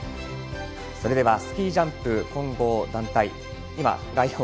それではスキージャンプ混合団体。